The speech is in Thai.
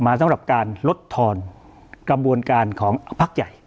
สำหรับการลดทอนกระบวนการของพักใหญ่